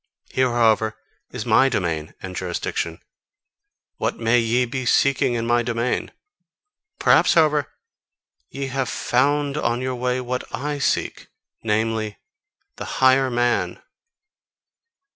Here, however, is MY domain and jurisdiction: what may ye be seeking in my domain? Perhaps, however, ye have FOUND on your way what I seek: namely, the higher man."